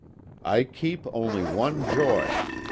" I keep only one joy.